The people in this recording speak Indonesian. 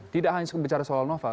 tidak hanya bicara soal novel